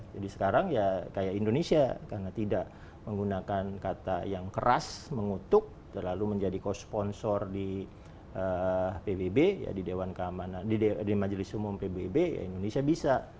jadi sekarang ya kayak indonesia karena tidak menggunakan kata yang keras mengutuk lalu menjadi co sponsor di pbb di dewan keamanan di majelis umum pbb indonesia bisa